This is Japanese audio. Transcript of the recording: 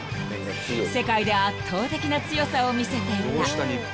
［世界で圧倒的な強さを見せていた］